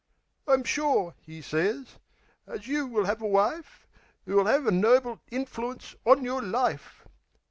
"I'm sure," 'e sez, "as you will 'ave a wife 'Oo'll 'ave a noble infl'ince on yer life.